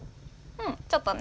うんちょっとね。